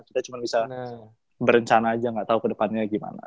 kita cuma bisa berencana aja gak tau ke depannya gimana